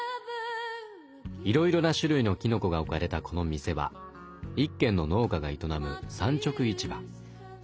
いろいろな種類のきのこが置かれたこの店は１軒の農家が営む産直市場。